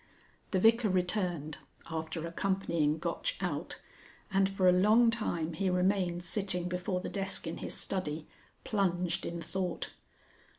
The Vicar returned, after accompanying Gotch out, and for a long time he remained sitting before the desk in his study, plunged in thought.